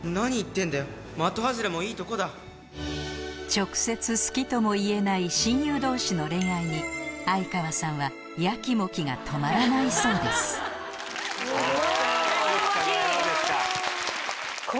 直接好きとも言えない親友同士の恋愛に相川さんはやきもきが止まらないそうですどうですか？